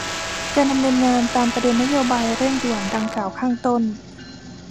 การดำเนินงานตามประเด็นนโยบายเร่งด่วนดังกล่าวข้างต้น